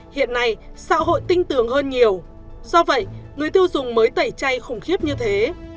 hiện nay xã hội tinh tưởng hơn nhiều do vậy người tiêu dùng mới tẩy chay khủng khiếp như thế